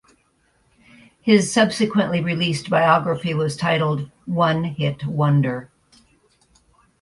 His subsequently released biography was titled "One-Hit Wonder".